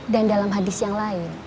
dan dalam hadis yang lain